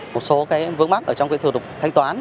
một số cái vướng mắc ở trong cái thủ tục thanh toán